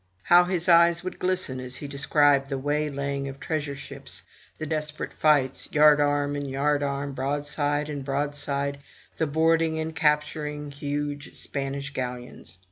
How his eyes would glisten as he described the waylaying of treasure ships, the desperate fights, yard arm and yard arm — broadside and broadside — the boarding and capturing huge Spanish galleons!